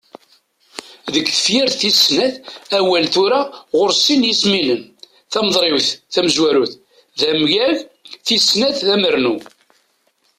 Deg tefyirt tis snat, awal "tura" ɣur-s sin yismilen: Timeḍriwt tamenzut d amyag, tis snat d amernu.